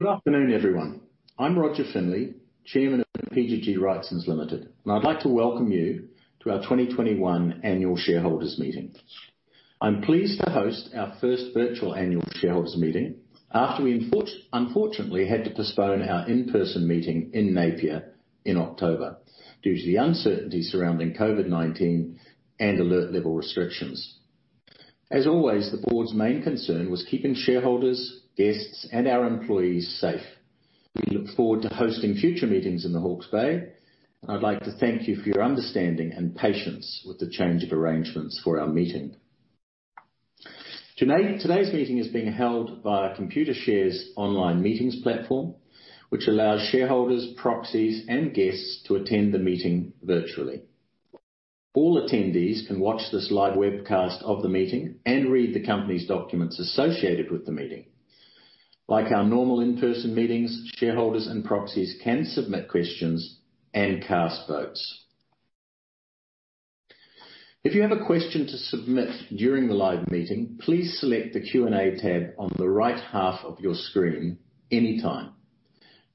Good afternoon, everyone. I'm Rodger Finlay, Chairman of PGG Wrightson Limited, and I'd like to welcome you to our 2021 annual shareholders meeting. I'm pleased to host our first virtual annual shareholders meeting after we unfortunately had to postpone our in-person meeting in Napier in October due to the uncertainty surrounding COVID-19 and alert level restrictions. As always, the board's main concern was keeping shareholders, guests, and our employees safe. We look forward to hosting future meetings in the Hawke's Bay, and I'd like to thank you for your understanding and patience with the change of arrangements for our meeting. Today's meeting is being held via Computershare's online meetings platform, which allows shareholders, proxies, and guests to attend the meeting virtually. All attendees can watch this live webcast of the meeting and read the company's documents associated with the meeting. Like our normal in-person meetings, shareholders and proxies can submit questions and cast votes. If you have a question to submit during the live meeting, please select the Q&A tab on the right half of your screen anytime.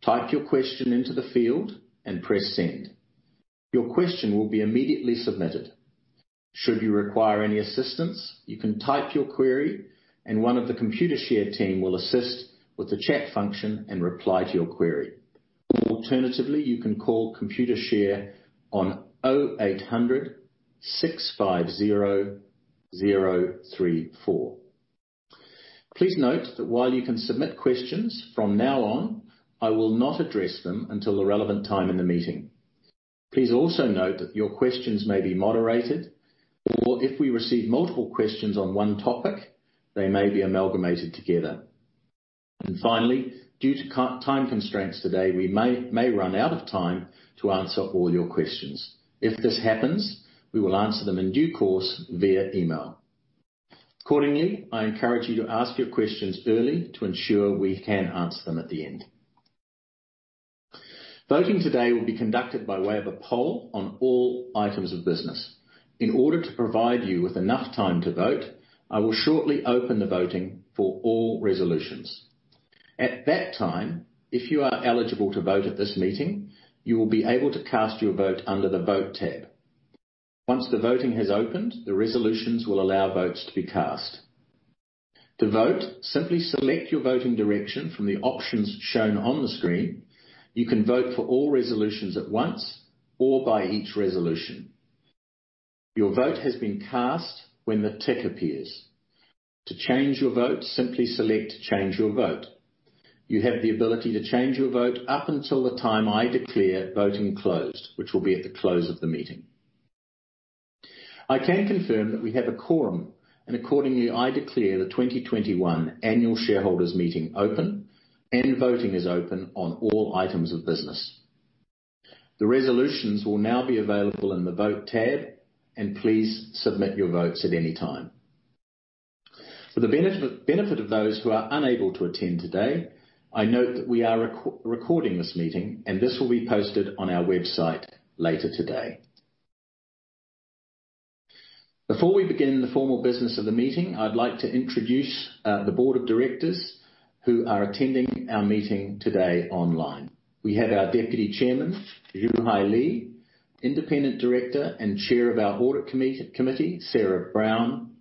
Type your question into the field and press Send. Your question will be immediately submitted. Should you require any assistance, you can type your query and one of the Computershare team will assist with the chat function and reply to your query. Alternatively, you can call Computershare on 0800 650 034. Please note that while you can submit questions from now on, I will not address them until the relevant time in the meeting. Please also note that your questions may be moderated or if we receive multiple questions on one topic, they may be amalgamated together. Finally, due to time constraints today, we may run out of time to answer all your questions. If this happens, we will answer them in due course via email. Accordingly, I encourage you to ask your questions early to ensure we can answer them at the end. Voting today will be conducted by way of a poll on all items of business. In order to provide you with enough time to vote, I will shortly open the voting for all resolutions. At that time, if you are eligible to vote at this meeting, you will be able to cast your vote under the Vote tab. Once the voting has opened, the resolutions will allow votes to be cast. To vote, simply select your voting direction from the options shown on the screen. You can vote for all resolutions at once or by each resolution. Your vote has been cast when the tick appears. To change your vote, simply select Change Your Vote. You have the ability to change your vote up until the time I declare voting closed, which will be at the close of the meeting. I can confirm that we have a quorum, and accordingly, I declare the 2021 annual shareholders meeting open and voting is open on all items of business. The resolutions will now be available in the Vote tab, and please submit your votes at any time. For the benefit of those who are unable to attend today, I note that we are recording this meeting, and this will be posted on our website later today. Before we begin the formal business of the meeting, I'd like to introduce the board of directors who are attending our meeting today online. We have our Deputy Chairman, Joo Hai Lee, Independent Director and Chair of our Audit Committee, Sarah Brown,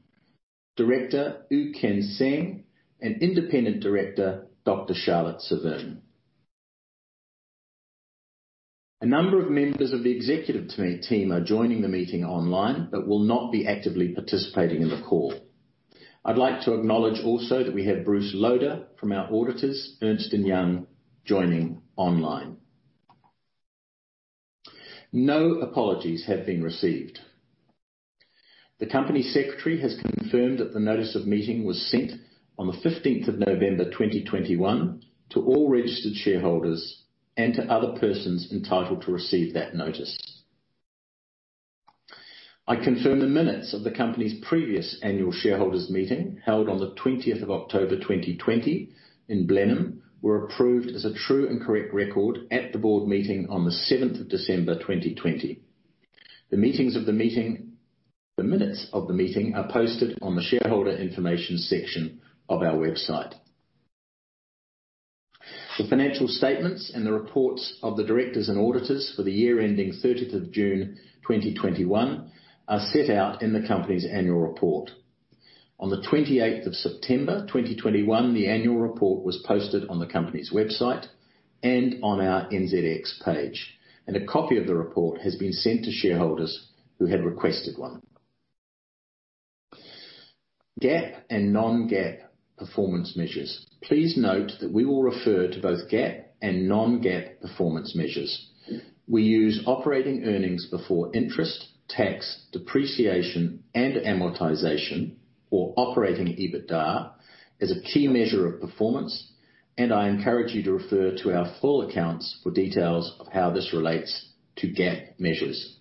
Director, U Kean Seng, and Independent Director, Dr Charlotte Severne. A number of members of the executive team are joining the meeting online, but will not be actively participating in the call. I'd like to acknowledge also that we have Bruce Loader from our auditors, Ernst & Young, joining online. No apologies have been received. The Company Secretary has confirmed that the notice of meeting was sent on 15 November 2021 to all registered shareholders and to other persons entitled to receive that notice. I confirm the minutes of the company's previous annual shareholders meeting, held on 20 October 2020 in Blenheim, were approved as a true and correct record at the board meeting on 7 December 2020. The minutes of the meeting are posted on the shareholder information section of our website. The financial statements and the reports of the directors and auditors for the year ending 30th of June 2021 are set out in the company's annual report. On the 28th of September 2021, the annual report was posted on the company's website and on our NZX page, and a copy of the report has been sent to shareholders who had requested one. GAAP and non-GAAP performance measures. Please note that we will refer to both GAAP and non-GAAP performance measures. We use operating earnings before interest, tax, depreciation, and amortization, or operating EBITDA, as a key measure of performance, and I encourage you to refer to our full accounts for details of how this relates to GAAP measures.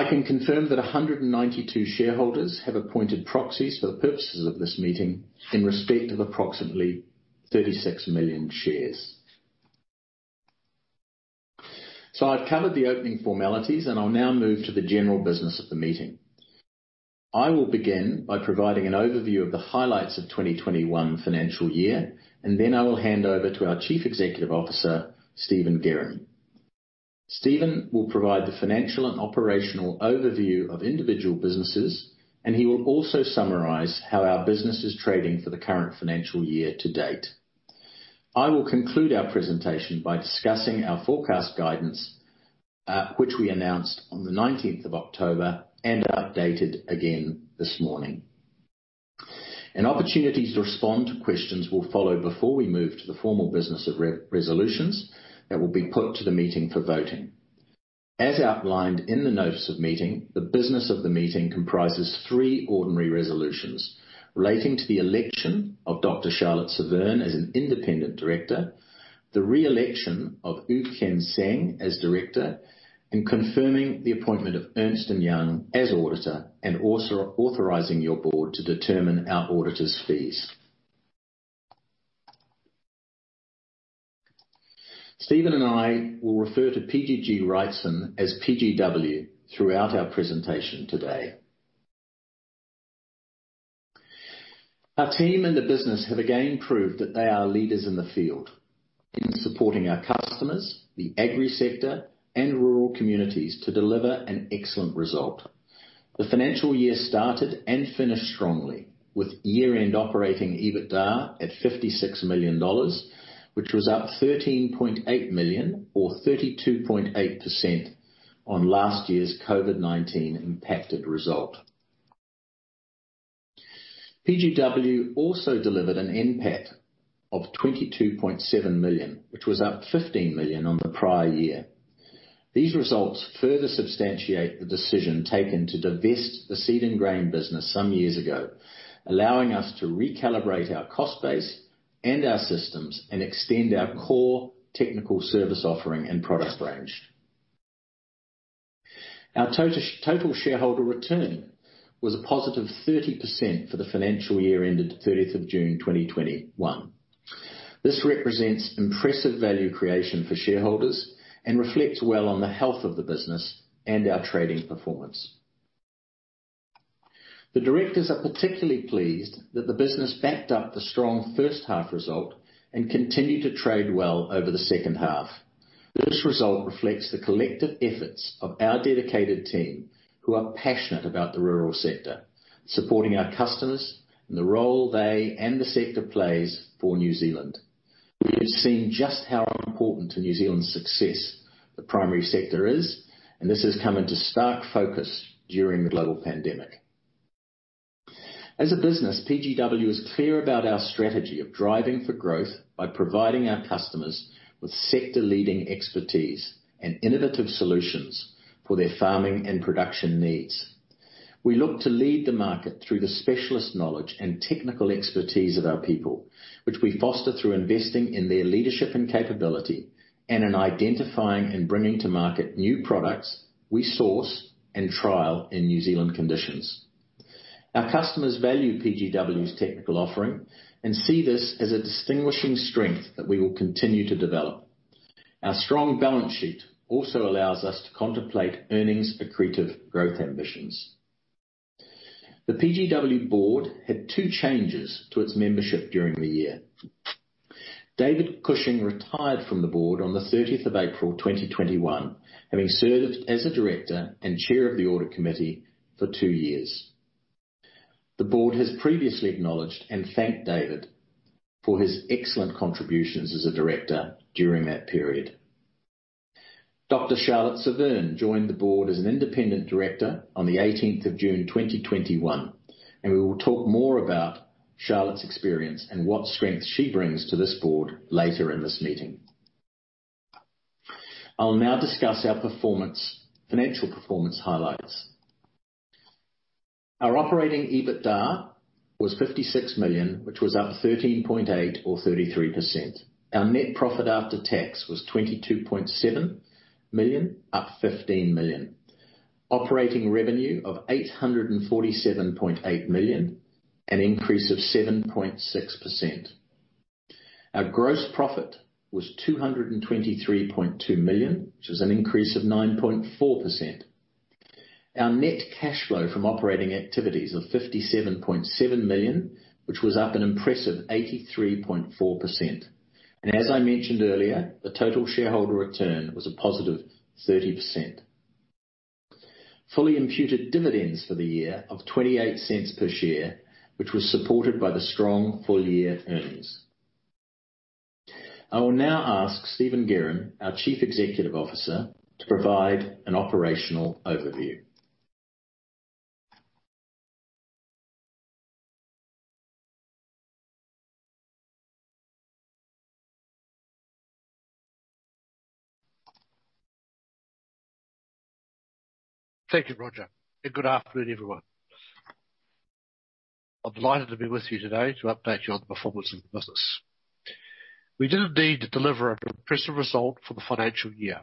I can confirm that 192 shareholders have appointed proxies for the purposes of this meeting in respect of approximately 36 million shares. I've covered the opening formalities, and I'll now move to the general business of the meeting. I will begin by providing an overview of the highlights of 2021 financial year, and then I will hand over to our Chief Executive Officer, Stephen Guerin. Stephen will provide the financial and operational overview of individual businesses, and he will also summarize how our business is trading for the current financial year to date. I will conclude our presentation by discussing our forecast guidance, which we announced on the nineteenth of October and updated again this morning. Opportunities to respond to questions will follow before we move to the formal business of re-resolutions that will be put to the meeting for voting. As outlined in the notice of meeting, the business of the meeting comprises three ordinary resolutions relating to the election of Dr. Charlotte Severne as an independent director, the re-election of U Kean Seng as director, and confirming the appointment of Ernst & Young as auditor and also authorizing your board to determine our auditor's fees. Stephen and I will refer to PGG Wrightson as PGW throughout our presentation today. Our team and the business have again proved that they are leaders in the field in supporting our customers, the agri sector, and rural communities to deliver an excellent result. The financial year started and finished strongly with year-end operating EBITDA at 56 million dollars, which was up 13.8 million or 32.8% on last year's COVID-19 impacted result. PGW also delivered an NPAT of 22.7 million, which was up 15 million on the prior year. These results further substantiate the decision taken to divest the seed and grain business some years ago, allowing us to recalibrate our cost base and our systems and extend our core technical service offering and product range. Our total shareholder return was a positive 30% for the financial year ended 30th of June 2021. This represents impressive value creation for shareholders and reflects well on the health of the business and our trading performance. The directors are particularly pleased that the business backed up the strong first half result and continued to trade well over the second half. This result reflects the collective efforts of our dedicated team who are passionate about the rural sector, supporting our customers and the role they and the sector plays for New Zealand. We've seen just how important to New Zealand's success the primary sector is, and this has come into stark focus during the global pandemic. As a business, PGW is clear about our strategy of driving for growth by providing our customers with sector leading expertise and innovative solutions for their farming and production needs. We look to lead the market through the specialist knowledge and technical expertise of our people, which we foster through investing in their leadership and capability and in identifying and bringing to market new products we source and trial in New Zealand conditions. Our customers value PGW's technical offering and see this as a distinguishing strength that we will continue to develop. Our strong balance sheet also allows us to contemplate earnings accretive growth ambitions. The PGW board had two changes to its membership during the year. David Cushing retired from the board on the 30th of April, 2021, having served as a director and chair of the audit committee for two years. The board has previously acknowledged and thanked David for his excellent contributions as a director during that period. Dr. Charlotte Severne joined the board as an independent director on the 18th of June, 2021, and we will talk more about Charlotte's experience and what strengths she brings to this board later in this meeting. I'll now discuss our financial performance highlights. Our operating EBITDA was 56 million, which was up 13.8% or 33%. Our net profit after tax was 22.7 million, up 15 million. Operating revenue of 847.8 million, an increase of 7.6%. Our gross profit was 223.2 million, which is an increase of 9.4%. Our net cash flow from operating activities of 57.7 million, which was up an impressive 83.4%. As I mentioned earlier, the total shareholder return was a positive 30%. Fully imputed dividends for the year of $0.28 Per share, which was supported by the strong full year earnings. I will now ask Stephen Guerin, our Chief Executive Officer, to provide an operational overview. Thank you, Rodger, and good afternoon, everyone. I'm delighted to be with you today to update you on the performance of the business. We did indeed deliver an impressive result for the financial year.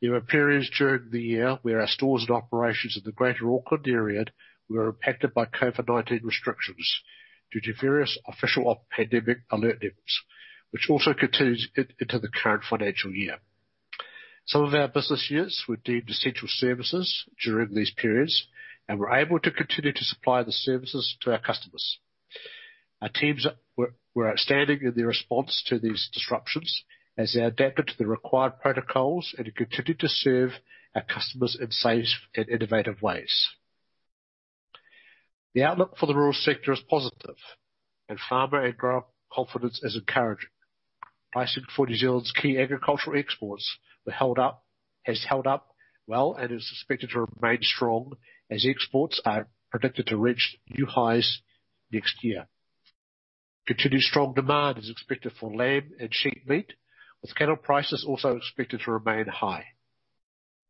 There were periods during the year where our stores and operations in the Greater Auckland area were impacted by COVID-19 restrictions due to various official pandemic alert levels, which also continues into the current financial year. Some of our business units were deemed essential services during these periods, and were able to continue to supply the services to our customers. Our teams were outstanding in their response to these disruptions as they adapted to the required protocols and continued to serve our customers in safe and innovative ways. The outlook for the rural sector is positive, and farmer and grower confidence is encouraging. Pricing for New Zealand's key agricultural exports were held up. has held up well and is expected to remain strong as exports are predicted to reach new highs next year. Continued strong demand is expected for lamb and sheep meat, with cattle prices also expected to remain high.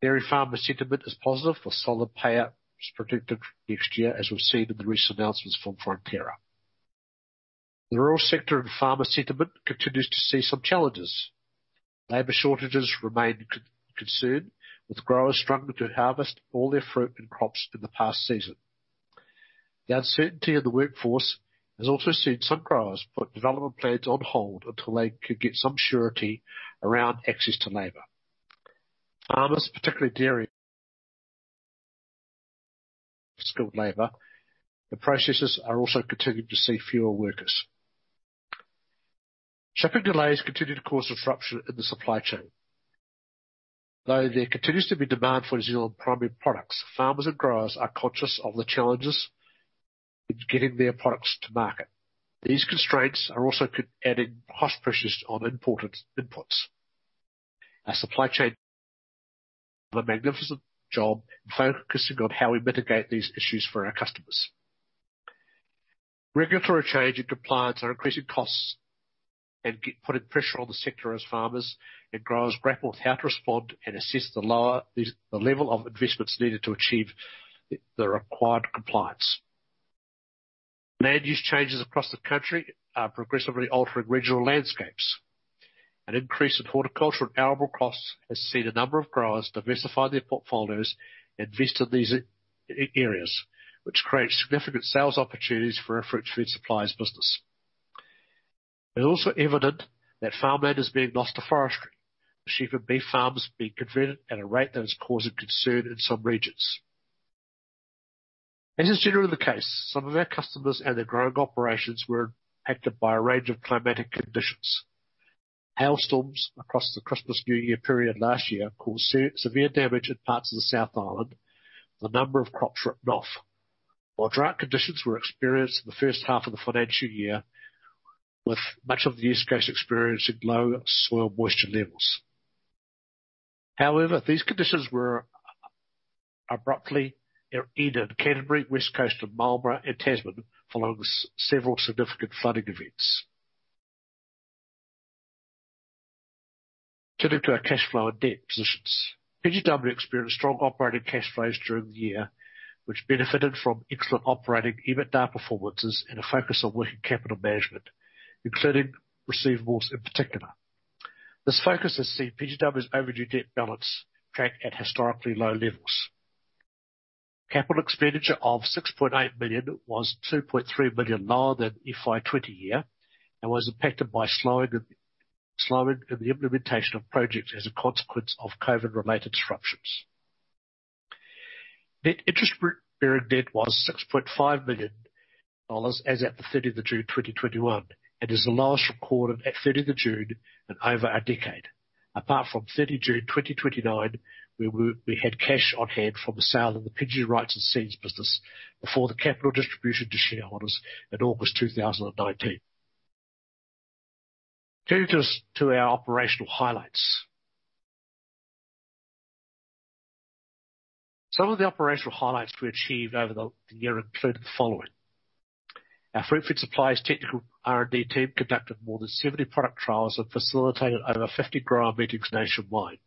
Dairy farmer sentiment is positive, with solid payout predicted next year, as we've seen in the recent announcements from Fonterra. The rural sector and farmer sentiment continues to see some challenges. Labor shortages remain a concern, with growers struggling to harvest all their fruit and crops in the past season. The uncertainty in the workforce has also seen some growers put development plans on hold until they could get some surety around access to labor. Farmers, particularly dairy skilled labor. The processors are also continuing to see fewer workers. Shipping delays continue to cause a disruption in the supply chain. Though there continues to be demand for New Zealand primary products, farmers and growers are conscious of the challenges in getting their products to market. These constraints are also adding cost pressures on imported inputs. Our supply chain is doing a magnificent job focusing on how we mitigate these issues for our customers. Regulatory change and compliance are increasing costs and putting pressure on the sector as farmers and growers grapple with how to respond and assess the lower level of investments needed to achieve the required compliance. Land use changes across the country are progressively altering regional landscapes. An increase in horticultural and arable costs has seen a number of growers diversify their portfolios, invest in these areas, which creates significant sales opportunities for our Fruitfed Supplies business. It is also evident that farmland is being lost to forestry. Sheep and beef farms being converted at a rate that is causing concern in some regions. As is generally the case, some of our customers and their growing operations were impacted by a range of climatic conditions. Hailstorms across the Christmas new year period last year caused severe damage in parts of the South Island, with a number of crops written off. While drought conditions were experienced in the first half of the financial year, with much of the East Coast experiencing low soil moisture levels. However, these conditions were abruptly ended in Canterbury, West Coast of Marlborough and Tasman following several significant flooding events. Turning to our cash flow and debt positions. PGW experienced strong operating cash flows during the year, which benefited from excellent operating EBITDA performances and a focus on working capital management, including receivables in particular. This focus has seen PGW's overdue debt balance track at historically low levels. Capital expenditure of 6.8 million was 2.3 million lower than FY 2020, and was impacted by slowing of the implementation of projects as a consequence of COVID-related disruptions. Net interest-bearing debt was 6.5 million dollars as at 30 June 2021, and is the lowest recorded at 30 June in over a decade. Apart from 30 June 2019, we had cash on hand from the sale of the PGG Wrightson Seeds business before the capital distribution to shareholders in August 2019. Taking us to our operational highlights. Some of the operational highlights we achieved over the year include the following. Our Fruitfed Supplies technical R&D team conducted more than 70 product trials and facilitated over 50 grower meetings nationwide.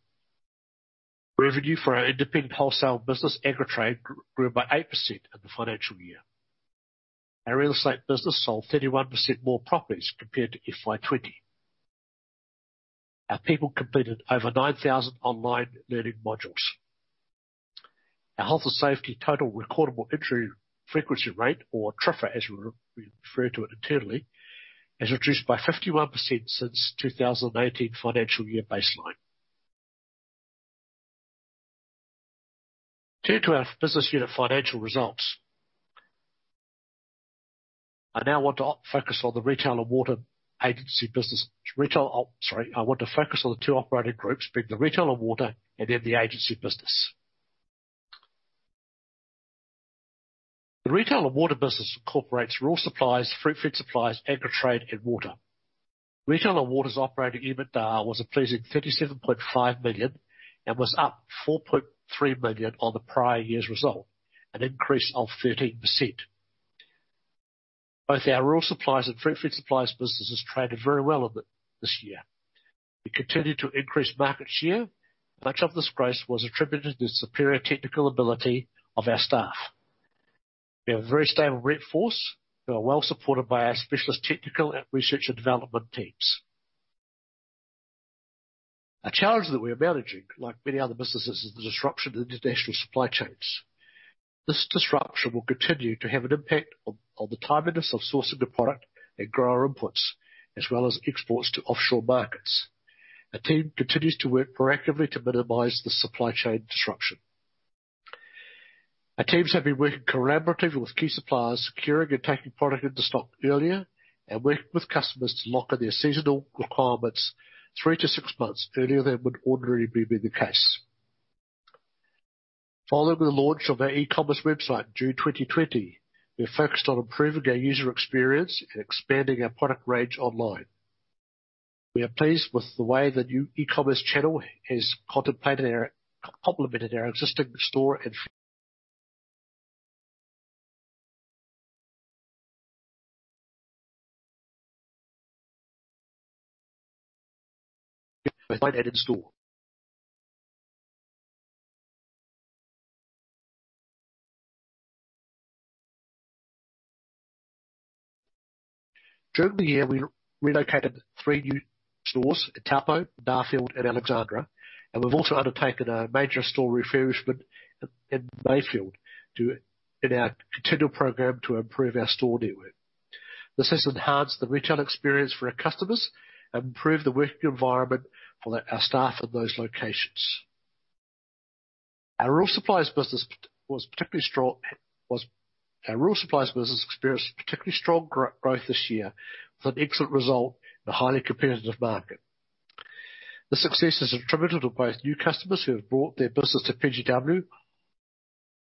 Revenue for our independent wholesale business, Agritrade, grew by 8% in the financial year. Our real estate business sold 31% more properties compared to FY 2020. Our people completed over 9,000 online learning modules. Our health and safety total recordable injury frequency rate, or TRIFR as we refer to it internally, has reduced by 51% since 2018 financial year baseline. Turning to our business unit financial results. I want to focus on the two operating groups, being the retail and water, and then the agency business. The Retail and Water business incorporates Rural Supplies, Fruitfed Supplies, Agritrade, and Water. Retail and Water's operating EBITDA was a pleasing 37.5 million, and was up 4.3 million on the prior year's result, an increase of 13%. Both our Rural Supplies and Fruitfed Supplies businesses traded very well off it this year. We continued to increase market share. Much of this growth was attributed to the superior technical ability of our staff. We have a very stable rep force who are well supported by our specialist technical and research and development teams. A challenge that we are managing, like many other businesses, is the disruption to international supply chains. This disruption will continue to have an impact on the timeliness of sourcing the product and grower inputs, as well as exports to offshore markets. Our team continues to work proactively to minimize the supply chain disruption. Our teams have been working collaboratively with key suppliers, securing and taking product into stock earlier, and working with customers to lock in their seasonal requirements 3-6 months earlier than would ordinarily be the case. Following the launch of our e-commerce website, June 2020, we are focused on improving our user experience and expanding our product range online. We are pleased with the way the new e-commerce channel has complemented our existing store. During the year, we relocated 3 new stores in Taupō, Feilding and Alexandra, and we've also undertaken a major store refurbishment in Mayfield in our continual program to improve our store network. This has enhanced the retail experience for our customers and improved the working environment for our staff in those locations. Our Rural Supplies business experienced particularly strong growth this year with an excellent result in a highly competitive market. The success is attributed to both new customers who have brought their business to PGW,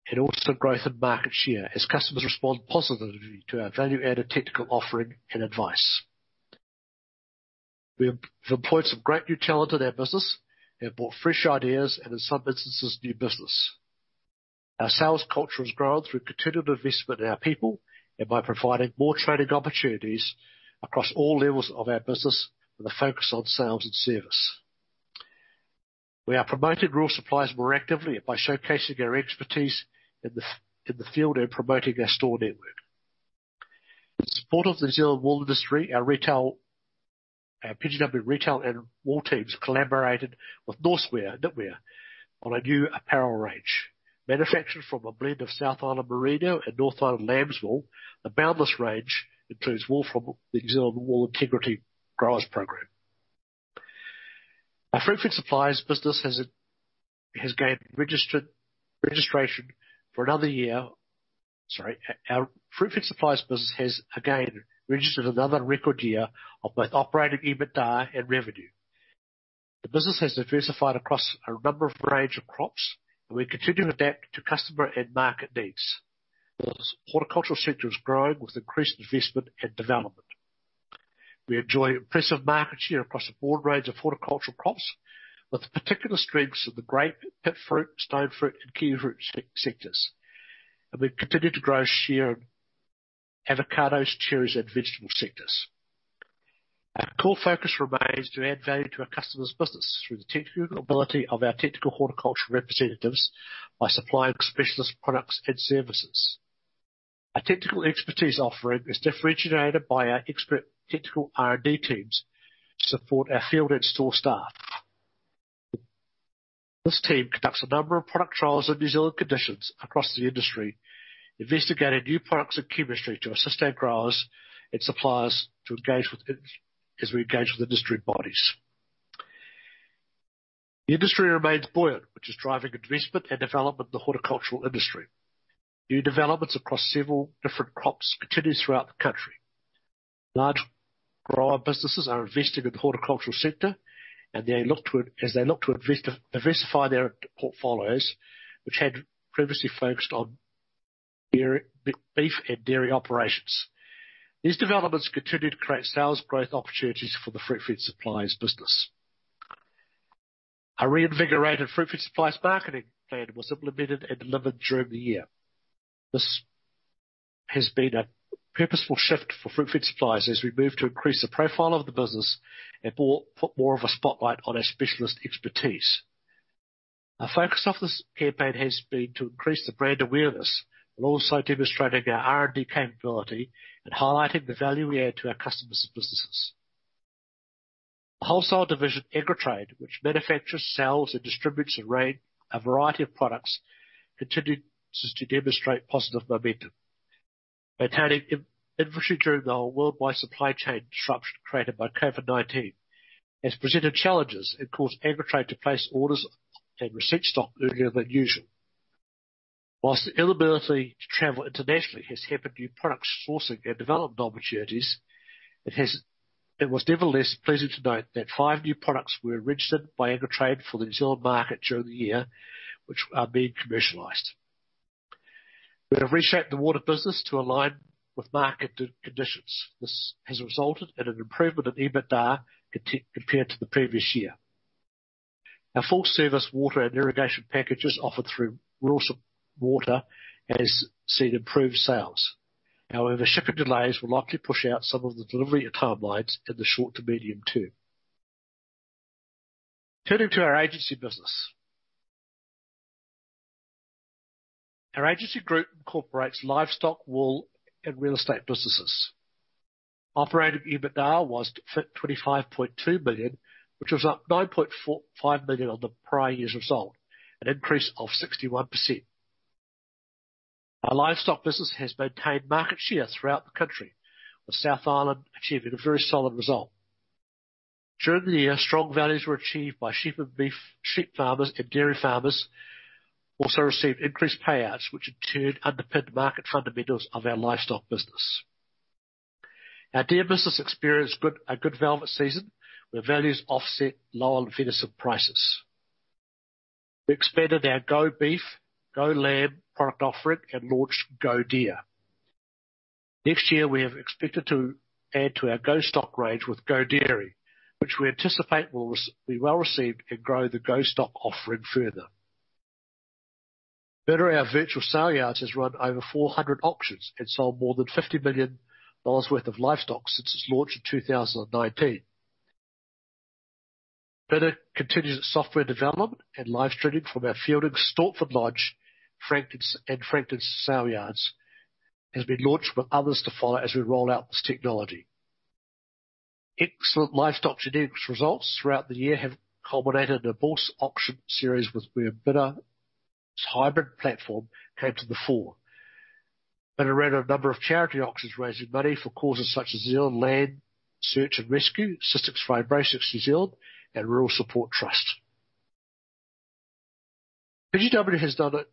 and also growth in market share as customers respond positively to our value-added technical offering and advice. We have employed some great new talent in our business. They have brought fresh ideas and in some instances, new business. Our sales culture has grown through continued investment in our people and by providing more training opportunities across all levels of our business with a focus on sales and service. We are promoting Rural Supplies more actively by showcasing our expertise in the field and promoting our store network. In support of the New Zealand wool industry, our retail Our PGW retail and wool teams collaborated with Norsewear on a new apparel range. Manufactured from a blend of South Island Merino and North Island lambswool, the Boundless range includes wool from the Wool Integrity NZ programme. Our Fruitfed Supplies business has gained registration for another year. Our Fruitfed Supplies business has again registered another record year of both operating EBITDA and revenue. The business has diversified across a number of ranges of crops, and we continue to adapt to customer and market needs. The horticultural sector is growing with increased investment and development. We enjoy impressive market share across a broad range of horticultural crops, with particular strengths in the grape, pip fruit, stone fruit and kiwifruit sectors. We continue to grow share in avocados, cherries and vegetable sectors. Our core focus remains to add value to our customer's business through the technical ability of our technical horticulture representatives by supplying specialist products and services. Our technical expertise offering is differentiated by our expert technical R&D teams to support our field and store staff. This team conducts a number of product trials in New Zealand conditions across the industry, investigating new products and chemistry to assist our growers and suppliers to engage with industry bodies. The industry remains buoyant, which is driving investment and development in the horticultural industry. New developments across several different crops continue throughout the country. Large grower businesses are investing in the horticultural sector, as they look to invest, diversify their portfolios, which had previously focused on dairy, beef and dairy operations. These developments continue to create sales growth opportunities for the Fruitfed Supplies business. Our reinvigorated fruit and supplies marketing plan was implemented and delivered during the year. This has been a purposeful shift for fruit and supplies as we move to increase the profile of the business and put more of a spotlight on our specialist expertise. Our focus of this campaign has been to increase the brand awareness and also demonstrating our R&D capability and highlighting the value we add to our customers' businesses. Wholesale division, Agritrade, which manufactures, sells, and distributes a range, a variety of products, continues to demonstrate positive momentum. Maintaining inventory during the whole worldwide supply chain disruption created by COVID-19 has presented challenges and caused Agritrade to place orders and receive stock earlier than usual. While the inability to travel internationally has hampered new product sourcing and development opportunities, it was nevertheless pleasing to note that 5 new products were registered by Agritrade for the New Zealand market during the year, which are being commercialized. We have reshaped the water business to align with market conditions. This has resulted in an improvement in EBITDA compared to the previous year. Our full service water and irrigation packages offered through Rural Water has seen improved sales. However, shipping delays will likely push out some of the delivery timelines in the short- to medium-term. Turning to our agency business. Our agency group incorporates livestock, wool, and real estate businesses. Operating EBITDA was 25.2 million, which was up 9.5 million on the prior year's result, an increase of 61%. Our livestock business has maintained market share throughout the country, with South Island achieving a very solid result. During the year, strong values were achieved by sheep and beef. Sheep farmers and dairy farmers also received increased payouts, which in turn underpinned the market fundamentals of our livestock business. Our deer business experienced a good velvet season, where values offset low venison prices. We expanded our Go Beef, Go Lamb product offering, and launched Go Deer. Next year, we have expected to add to our GO-STOCK range with Go Dairy, which we anticipate will be well-received and grow the GO-STOCK offering further. bidr our virtual saleyards has run over 400 auctions and sold more than 50 million dollars worth of livestock since its launch in 2019. Bidr continues its software development and live streaming from our Feilding Stortford Lodge, Frankton, and Frankton Sale Yards has been launched with others to follow as we roll out this technology. Excellent livestock genetics results throughout the year have culminated in a bull auction series where bidr's hybrid platform came to the fore. bidr ran a number of charity auctions, raising money for causes such as New Zealand Land Search and Rescue, Cystic Fibrosis New Zealand, and Rural Support Trust. PGW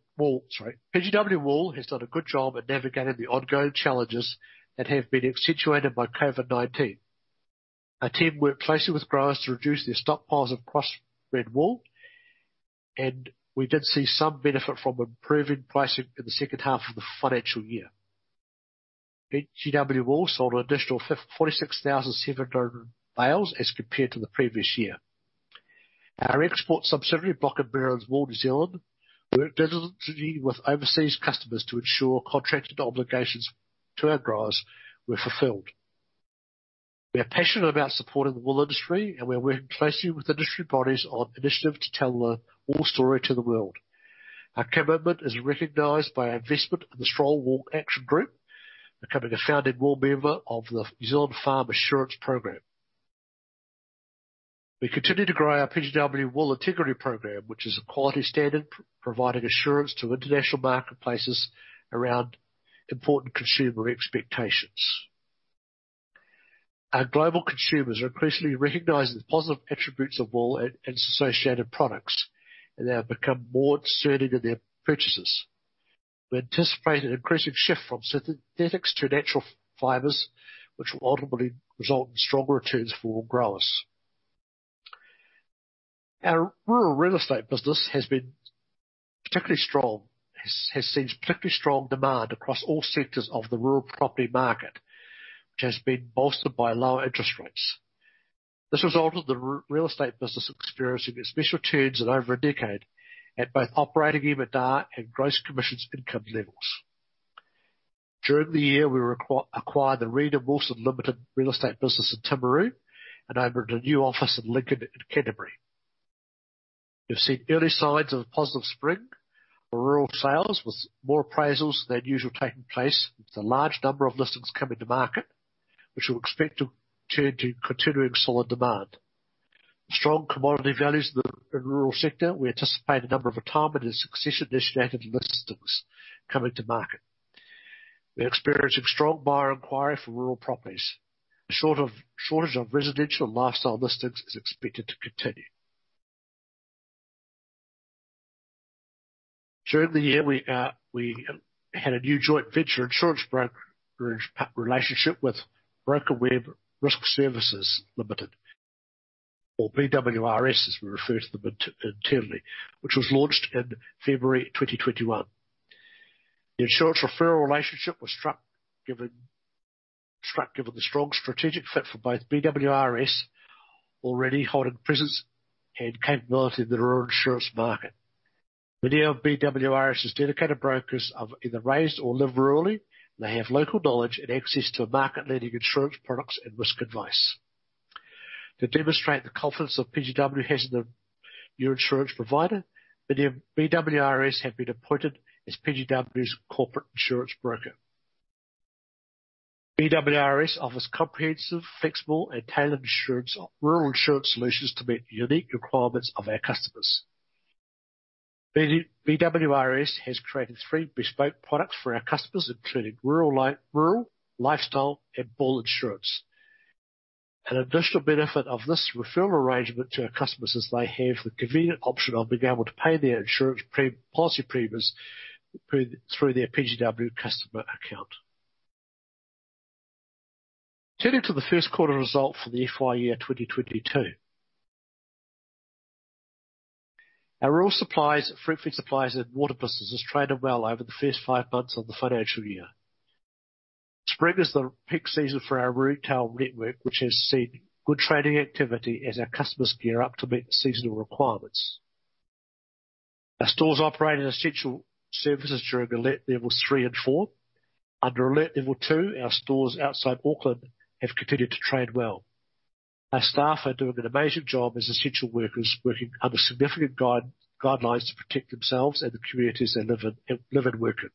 Wool has done a good job at navigating the ongoing challenges that have been accentuated by COVID-19. Our team worked closely with growers to reduce their stockpiles of crossbred wool, and we did see some benefit from improving pricing in the second half of the financial year. PGW Wool sold an additional 46,700 bales as compared to the previous year. Our export subsidiary, Bloch & Behrens Wool (NZ) Ltd, worked diligently with overseas customers to ensure contracted obligations to our growers were fulfilled. We are passionate about supporting the wool industry, and we're working closely with industry bodies on initiative to tell the wool story to the world. Our commitment is recognized by our investment in the Wool Industry Project Action Group, becoming a founding wool member of the New Zealand Farm Assurance Program. We continue to grow our PGW Wool Integrity Program, which is a quality standard providing assurance to international marketplaces around important consumer expectations. Our global consumers are increasingly recognizing the positive attributes of wool and its associated products, and they have become more discerning in their purchases. We anticipate an increasing shift from synthetics to natural fibers, which will ultimately result in stronger returns for wool growers. Our rural real estate business has been particularly strong, has seen particularly strong demand across all sectors of the rural property market, which has been bolstered by low interest rates. This resulted in the real estate business experiencing its best returns in over a decade at both operating EBITDA and gross commissions income levels. During the year, we acquired the REID AND WILSON LIMITED real estate business in Timaru and opened a new office in Lincoln, in Canterbury. We've seen early signs of a positive spring for rural sales, with more appraisals than usual taking place into the large number of listings coming to market, which we expect to turn to continuing solid demand. Strong commodity values in the rural sector. We anticipate a number of retirement and succession-initiated listings coming to market. We are experiencing strong buyer inquiry for rural properties. The shortage of residential lifestyle listings is expected to continue. During the year, we had a new joint venture insurance relationship with BrokerWeb Risk Services Limited, or BWRS, as we refer to them internally, which was launched in February 2021. The insurance referral relationship was struck given the strong strategic fit for both BWRS already holding presence and capability in the rural insurance market. Many of BWRS's dedicated brokers have either been raised or live rurally. They have local knowledge and access to market-leading insurance products and risk advice. To demonstrate the confidence that PGW has in the new insurance provider, BWRS has been appointed as PGW's corporate insurance broker. BWRS offers comprehensive, flexible, and tailored insurance or rural insurance solutions to meet the unique requirements of our customers. BWRS has created 3 bespoke products for our customers, including rural, lifestyle, and bull insurance. An additional benefit of this referral arrangement to our customers is they have the convenient option of being able to pay their insurance policy premiums through their PGW customer account. Turning to the first quarter result for the FY 2022. Our rural supplies, Fruitfed Supplies, and water business has traded well over the first 5 months of the financial year. Spring is the peak season for our retail network, which has seen good trading activity as our customers gear up to meet the seasonal requirements. Stores operate in essential services during alert levels three and four. Under alert level two, our stores outside Auckland have continued to trade well. Our staff are doing an amazing job as essential workers working under significant guidelines to protect themselves and the communities they live and work in.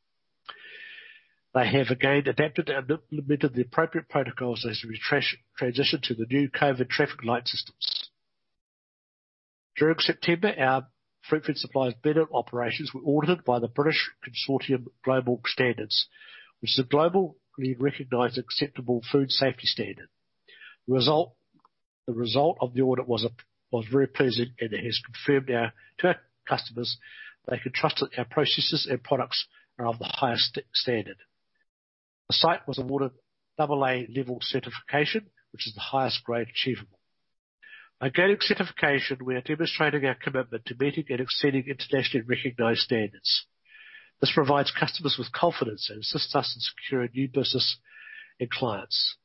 They have again adapted and implemented the appropriate protocols as we transition to the new COVID traffic light systems. During September, our Fruitfed Supplies Blenheim operations were audited by the British Retail Consortium Global Standards, which is a globally recognized acceptable food safety standard. The result of the audit was very pleasing, and it has confirmed now to our customers they can trust that our processes and products are of the highest standard. The site was awarded double A level certification, which is the highest grade achievable. By gaining certification, we are demonstrating our commitment to meeting and exceeding internationally recognized standards. This provides customers with confidence and assists us in securing new business and clients.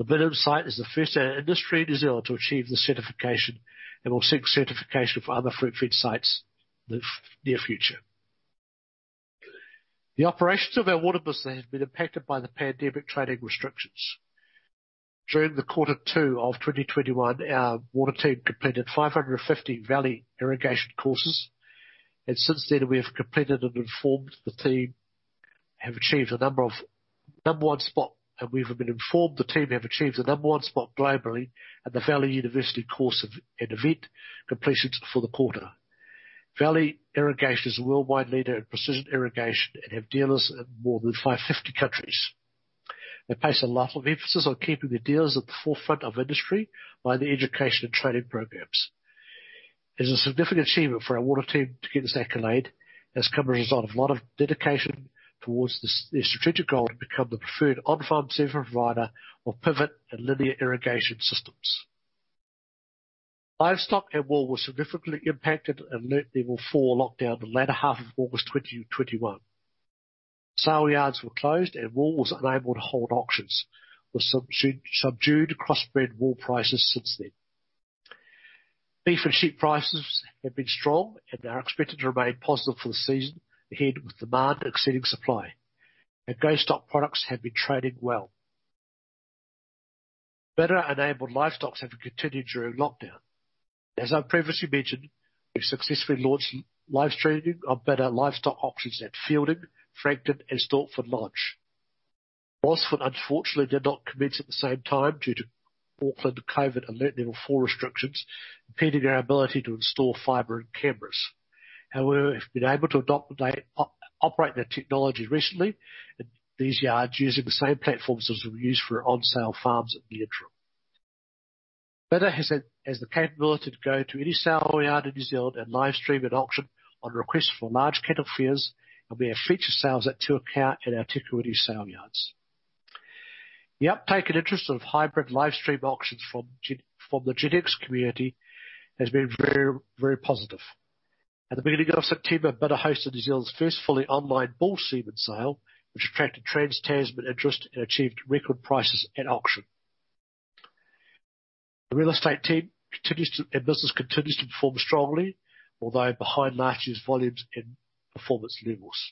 The Blenheim site is the first in our industry in New Zealand to achieve this certification, and we'll seek certification for other Fruitfed Supplies sites in the near future. The operations of our water business have been impacted by the pandemic trading restrictions. During quarter two of 2021, our water team completed 550 Valley Irrigation courses, and since then, we have completed and the team have achieved the number one spot. We've been informed the team have achieved the number one spot globally at the Valley University course completion events for the quarter. Valley Irrigation is a worldwide leader in precision irrigation and have dealers in more than 550 countries. They place a lot of emphasis on keeping their dealers at the forefront of industry by their education and training programs. It's a significant achievement for our water team to get this accolade. It has come as a result of a lot of dedication towards their strategic goal to become the preferred on-farm service provider of pivot and linear irrigation systems. Livestock and wool were significantly impacted at Alert Level 4 lockdown in the latter half of August 2021. Saleyards were closed, and wool was unable to hold auctions, with subdued crossbred wool prices since then. Beef and sheep prices have been strong and are expected to remain positive for the season ahead, with demand exceeding supply, and grazing stock products have been trading well. Bidr-enabled livestock auctions have continued during lockdown. As I previously mentioned, we've successfully launched live streaming of bidr livestock auctions at Feilding, Frankton, and Stortford Lodge. Reporoa, unfortunately, did not commence at the same time due to Auckland COVID alert level four restrictions impeding our ability to install fiber and cameras. However, we've been able to adopt. They operate their technology recently, and these yards, using the same platforms as were used for on-farm sales in the interim. bidr has the capability to go to any sale yard in New Zealand and live stream an auction on request for large cattle fairs, and we have featured sales at Tuakau and our Te Kuiti sale yards. The uptake and interest of hybrid live stream auctions from the Genetics community has been very, very positive. At the beginning of September, bidr hosted New Zealand's first fully online bull semen sale, which attracted Trans-Tasman interest and achieved record prices at auction. The real estate team continues, and business continues to perform strongly, although behind last year's volumes and performance levels.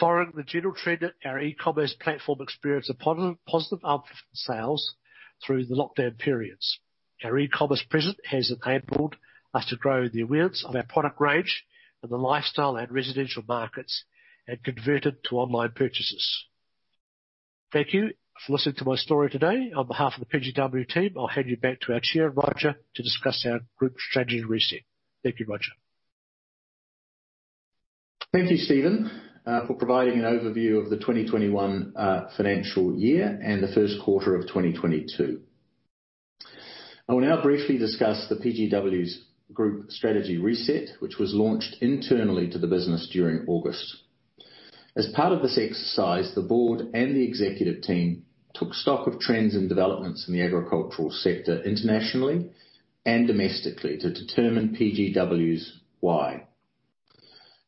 Following the general trend, our e-commerce platform experienced a positive up sales through the lockdown periods. Our e-commerce presence has enabled us to grow the awareness of our product range in the lifestyle and residential markets and convert it to online purchases. Thank you for listening to my story today. On behalf of the PGW team, I'll hand you back to our chair, Rodger, to discuss our group strategy reset. Thank you, Rodger. Thank you, Stephen, for providing an overview of the 2021 financial year and the first quarter of 2022. I will now briefly discuss the PGW's Group Strategy reset, which was launched internally to the business during August. As part of this exercise, the board and the executive team took stock of trends and developments in the agricultural sector, internationally and domestically, to determine PGW's why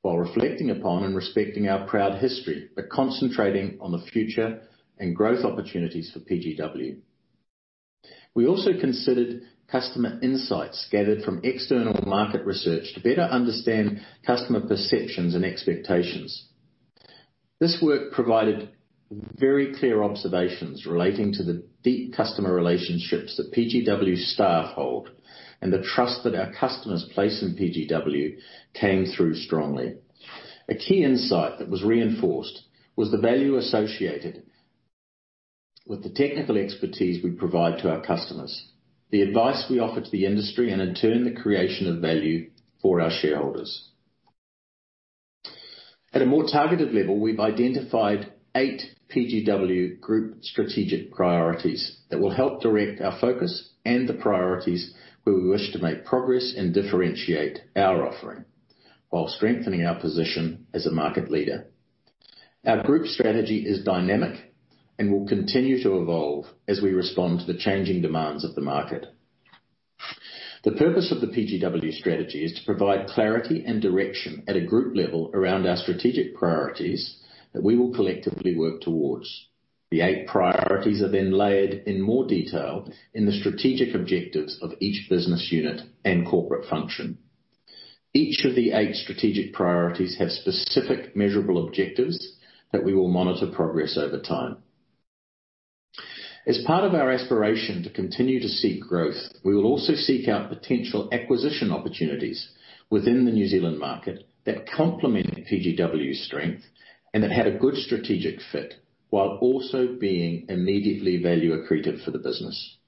while reflecting upon and respecting our proud history, concentrating on the future and growth opportunities for PGW. We also considered customer insights gathered from external market research to better understand customer perceptions and expectations. This work provided very clear observations relating to the deep customer relationships that PGW staff hold, and the trust that our customers place in PGW came through strongly. A key insight that was reinforced was the value associated with the technical expertise we provide to our customers, the advice we offer to the industry, and in turn, the creation of value for our shareholders. At a more targeted level, we've identified eight PGW group strategic priorities that will help direct our focus and the priorities where we wish to make progress and differentiate our offering while strengthening our position as a market leader. Our group strategy is dynamic and will continue to evolve as we respond to the changing demands of the market. The purpose of the PGW strategy is to provide clarity and direction at a group level around our strategic priorities that we will collectively work towards. The eight priorities are then layered in more detail in the strategic objectives of each business unit and corporate function. Each of the eight strategic priorities have specific measurable objectives that we will monitor progress over time. As part of our aspiration to continue to seek growth, we will also seek out potential acquisition opportunities within the New Zealand market that complement PGW's strength and that had a good strategic fit while also being immediately value accretive for the business.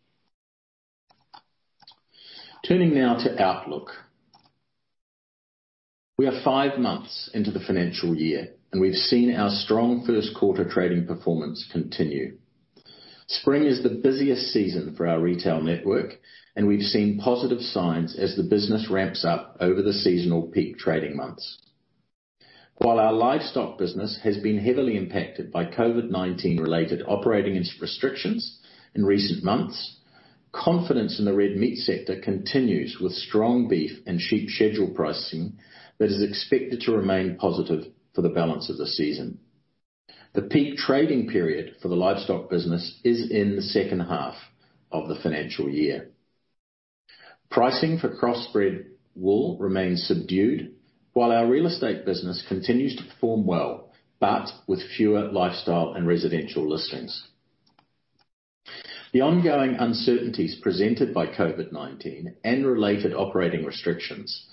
Turning now to outlook. We are five months into the financial year, and we've seen our strong first quarter trading performance continue. Spring is the busiest season for our retail network, and we've seen positive signs as the business ramps up over the seasonal peak trading months. While our livestock business has been heavily impacted by COVID-19 related operating restrictions in recent months, confidence in the red meat sector continues with strong beef and sheep schedule pricing that is expected to remain positive for the balance of the season. The peak trading period for the livestock business is in the second half of the financial year. Pricing for crossbred wool remains subdued, while our real estate business continues to perform well, but with fewer lifestyle and residential listings. The ongoing uncertainties presented by COVID-19 and related operating restrictions,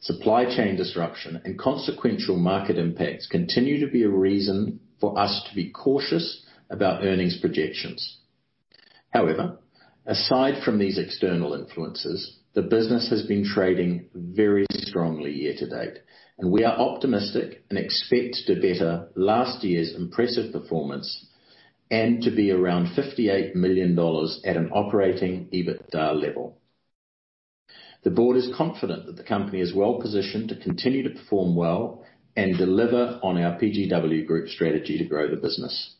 supply chain disruption, and consequential market impacts continue to be a reason for us to be cautious about earnings projections. However, aside from these external influences, the business has been trading very strongly year to date, and we are optimistic and expect to better last year's impressive performance and to be around 58 million dollars at an operating EBITDA level. The board is confident that the company is well-positioned to continue to perform well and deliver on our PGW Group strategy to grow the business.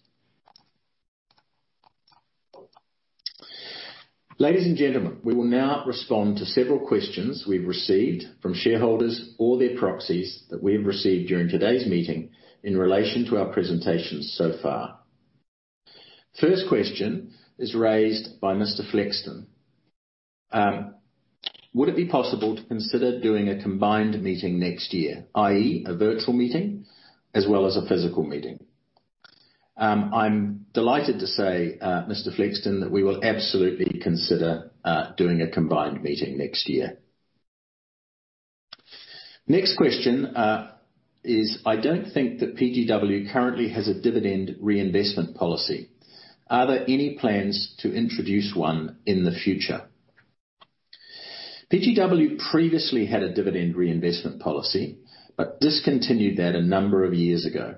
Ladies and gentlemen, we will now respond to several questions we've received from shareholders or their proxies that we have received during today's meeting in relation to our presentations so far. First question is raised by Mr. Flexton. Would it be possible to consider doing a combined meeting next year, i.e. a virtual meeting as well as a physical meeting? I'm delighted to say, Mr. Flexton, that we will absolutely consider doing a combined meeting next year. Next question, I don't think that PGW currently has a dividend reinvestment policy. Are there any plans to introduce one in the future? PGW previously had a dividend reinvestment policy, but discontinued that a number of years ago.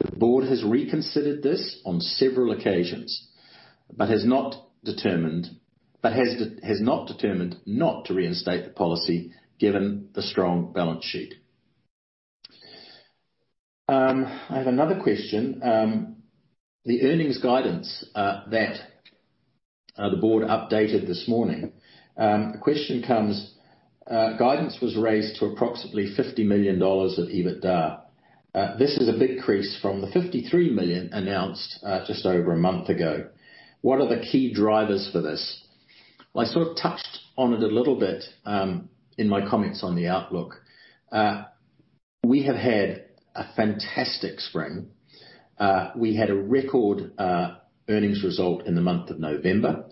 The board has reconsidered this on several occasions, but has not determined not to reinstate the policy given the strong balance sheet. I have another question. The earnings guidance that the board updated this morning. The question comes, guidance was raised to approximately 50 million dollars of EBITDA. This is a big increase from the 53 million announced just over a month ago. What are the key drivers for this? Well, I sort of touched on it a little bit, in my comments on the outlook. We have had a fantastic spring. We had a record earnings result in the month of November.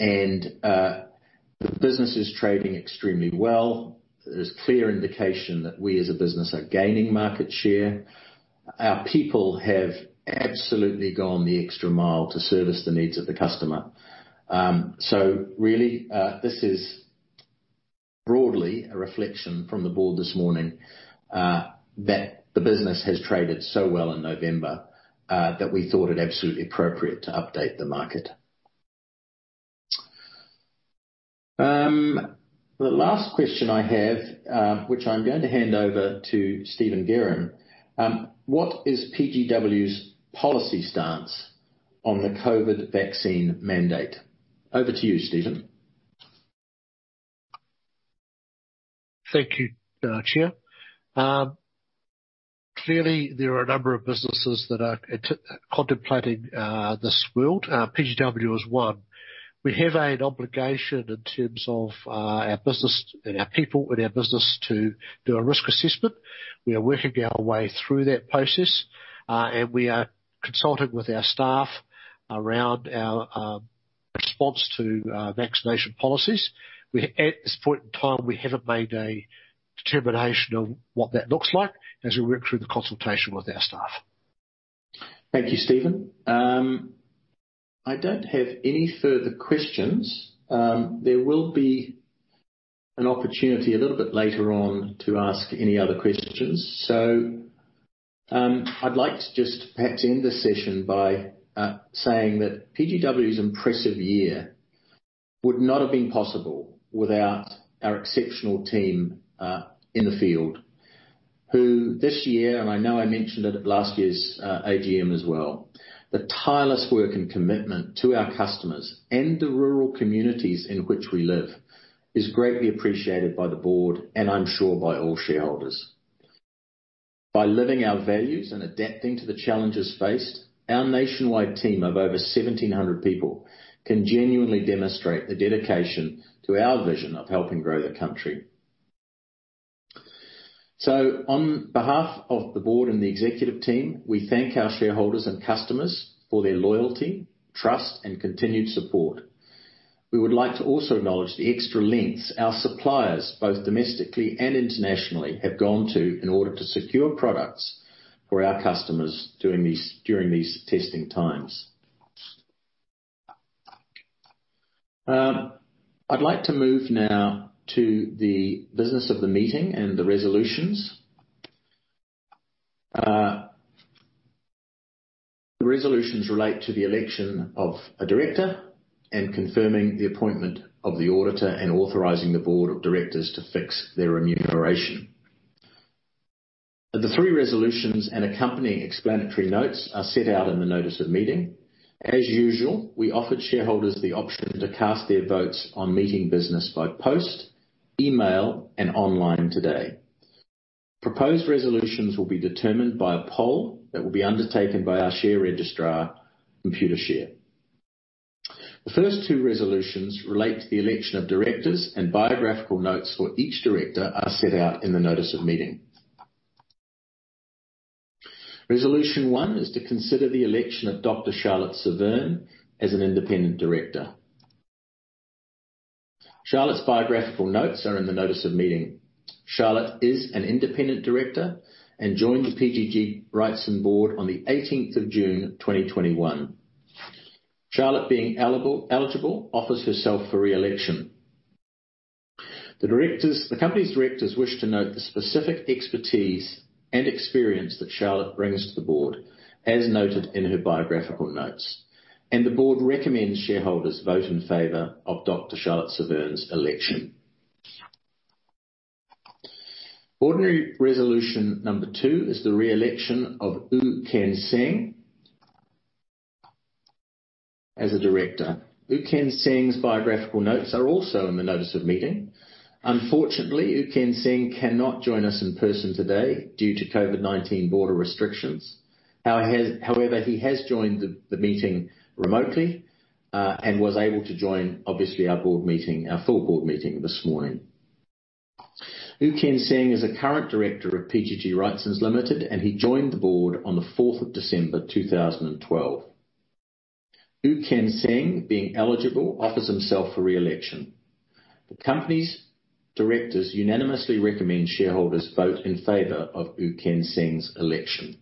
The business is trading extremely well. There's clear indication that we as a business are gaining market share. Our people have absolutely gone the extra mile to service the needs of the customer. Really, this is broadly a reflection from the board this morning that the business has traded so well in November that we thought it absolutely appropriate to update the market. The last question I have, which I'm going to hand over to Stephen Guerin, what is PGW's policy stance on the COVID vaccine mandate? Over to you, Stephen. Thank you, Chair. Clearly there are a number of businesses that are contemplating this world. PGW is one. We have an obligation in terms of our business and our people in our business to do a risk assessment. We are working our way through that process, and we are consulting with our staff around our response to vaccination policies. At this point in time, we haven't made a determination on what that looks like as we work through the consultation with our staff. Thank you, Stephen. I don't have any further questions. There will be an opportunity a little bit later on to ask any other questions. I'd like to just perhaps end the session by saying that PGW's impressive year would not have been possible without our exceptional team in the field, who this year, and I know I mentioned it at last year's AGM as well, the tireless work and commitment to our customers and the rural communities in which we live is greatly appreciated by the board and I'm sure by all shareholders. By living our values and adapting to the challenges faced, our nationwide team of over 1,700 people can genuinely demonstrate the dedication to our vision of helping grow the country. On behalf of the board and the executive team, we thank our shareholders and customers for their loyalty, trust, and continued support. We would like to also acknowledge the extra lengths our suppliers, both domestically and internationally, have gone to in order to secure products for our customers during these testing times. I'd like to move now to the business of the meeting and the resolutions. The resolutions relate to the election of a director and confirming the appointment of the auditor and authorizing the board of directors to fix their remuneration. The three resolutions and accompanying explanatory notes are set out in the notice of meeting. As usual, we offered shareholders the option to cast their votes on meeting business by post, email, and online today. Proposed resolutions will be determined by a poll that will be undertaken by our share registrar, Computershare. The first two resolutions relate to the election of directors and biographical notes for each director are set out in the notice of meeting. Resolution one is to consider the election of Dr Charlotte Severne as an Independent Director. Charlotte's biographical notes are in the notice of meeting. Charlotte is an Independent Director and joined the PGG Wrightson board on the 18th of June 2021. Charlotte being eligible offers herself for re-election. The company's directors wish to note the specific expertise and experience that Charlotte brings to the board, as noted in her biographical notes, and the board recommends shareholders vote in favor of Dr Charlotte Severne's election. Ordinary resolution number two is the re-election of Oon Kian Seng as a director. Oon Kian Seng's biographical notes are also in the notice of meeting. Unfortunately, Oon Kian Seng cannot join us in person today due to COVID-19 border restrictions. However, he has joined the meeting remotely and was able to join obviously our board meeting, our full board meeting this morning. Oon Kian Seng is a current director of PGG Wrightson Limited, and he joined the board on the fourth of December 2012. Oon Kian Seng being eligible offers himself for re-election. The company's directors unanimously recommend shareholders vote in favor of Oon Kian Seng's election.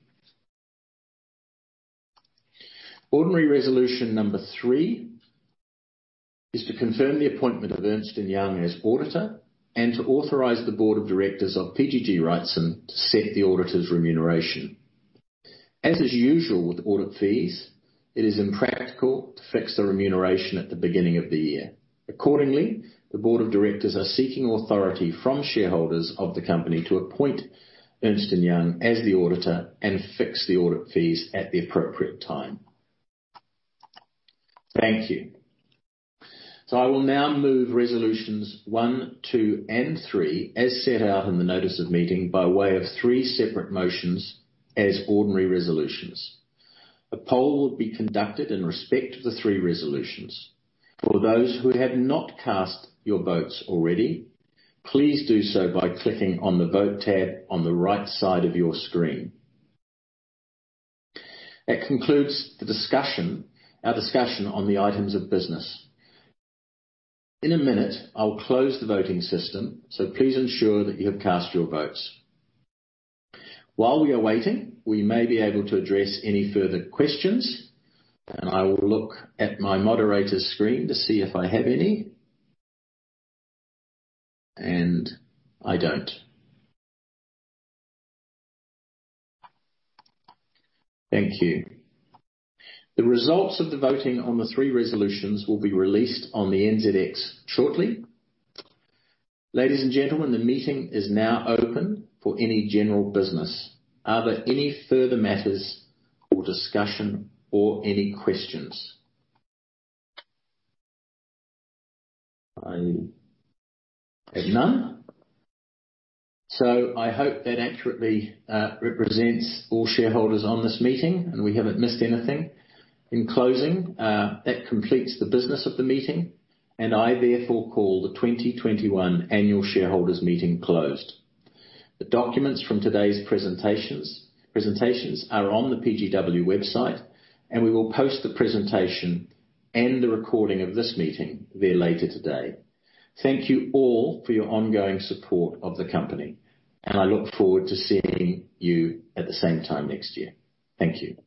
Ordinary Resolution number 3 is to confirm the appointment of Ernst & Young as auditor and to authorize the board of directors of PGG Wrightson to set the auditor's remuneration. As is usual with audit fees, it is impractical to fix the remuneration at the beginning of the year. Accordingly, the board of directors are seeking authority from shareholders of the company to appoint Ernst & Young as the auditor and fix the audit fees at the appropriate time. Thank you. I will now move resolutions one, two, and three as set out in the notice of meeting by way of three separate motions as ordinary resolutions. A poll will be conducted in respect to the three resolutions. For those who have not cast your votes already, please do so by clicking on the Vote tab on the right side of your screen. That concludes the discussion, our discussion on the items of business. In a minute, I'll close the voting system, so please ensure that you have cast your votes. While we are waiting, we may be able to address any further questions, and I will look at my moderator's screen to see if I have any. I don't. Thank you. The results of the voting on the three resolutions will be released on the NZX shortly. Ladies and gentlemen, the meeting is now open for any general business. Are there any further matters or discussion or any questions? I have none. I hope that accurately represents all shareholders on this meeting, and we haven't missed anything. In closing, that completes the business of the meeting, and I therefore call the 2021 annual shareholders meeting closed. The documents from today's presentations are on the PGW website, and we will post the presentation and the recording of this meeting there later today. Thank you all for your ongoing support of the company, and I look forward to seeing you at the same time next year. Thank you.